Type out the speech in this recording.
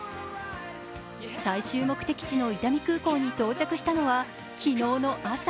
最終目的地の伊丹空港に到着したのは昨日の朝。